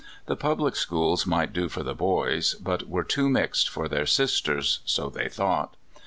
The public schools might do for the boys, but were too mixed for their sis ters — so they thought.